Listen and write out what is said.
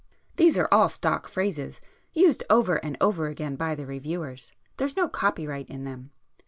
These are all stock phrases, used over and over again by the reviewers,—there's no copyright in them.